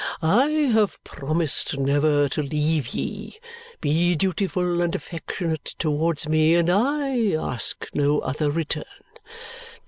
I have promised never to leave ye. Be dutiful and affectionate towards me, and I ask no other return.